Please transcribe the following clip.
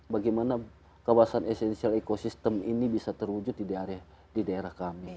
bagaimana kawasan essential ecosystem ini bisa terwujud di daerah kami